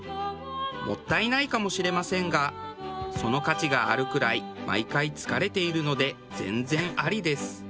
もったいないかもしれませんがその価値があるくらい毎回疲れているので全然ありです。